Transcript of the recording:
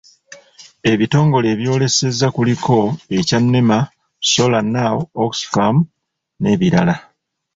Ebitongole ebyolesezza kuliko ekya NEMA, SolarNow, Oxfam n'ebirala.